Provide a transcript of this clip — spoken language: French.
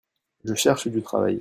Je cherche du travail.